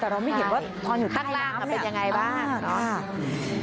แต่เราไม่เห็นว่าพออยู่ใต้น้ำเป็นอย่างไรบ้าง